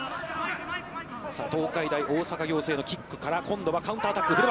東海大大阪仰星のキックから、今度はカウンターアタック。